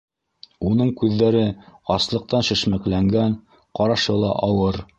Уның күҙҙәре аслыҡтан шешмәкләнгән, ҡарашы ла ауыр.